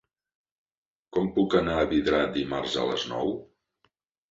Com puc anar a Vidrà dimarts a les nou?